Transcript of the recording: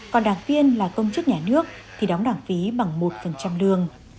còn đảng viên là công chức nhà nước thì đóng đảng phí bằng một lương